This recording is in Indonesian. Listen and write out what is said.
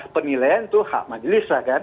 penilaian itu hak majelis lah kan